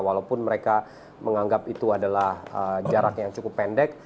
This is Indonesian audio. walaupun mereka menganggap itu adalah jarak yang cukup pendek